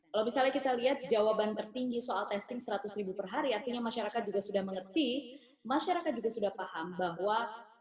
kalau misalnya kita lihat jawaban tertinggi soal testing seratus ribu per hari artinya masyarakat juga sudah mengerti masyarakat juga sudah paham bahwa